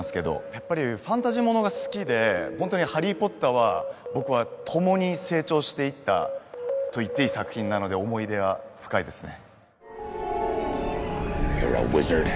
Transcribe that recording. やっぱりファンタジー物が好きで本当に「ハリー・ポッター」は僕はともに成長していったといっていい作品なので思い入れは深いですね